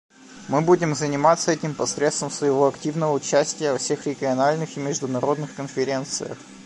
Мы будем заниматься этим посредством своего активного участия во всех региональных и международных конференциях.